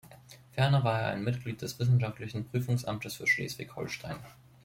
Ferner war er Mitglied des Wissenschaftlichen Prüfungsamtes für Schleswig-Holstein.